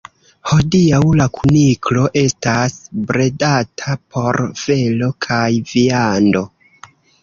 Hodiaŭ la kuniklo estas bredata por felo kaj viando.